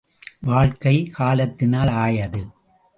வாழ்க்கை காலத்தினால் ஆயது.